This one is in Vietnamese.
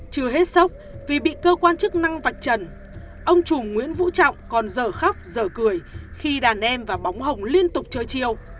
chưa hết sốc vì bị cơ quan chức năng vạch trần ông trùm nguyễn vũ trọng còn giờ khóc dở cười khi đàn em và bóng hồng liên tục chơi chiều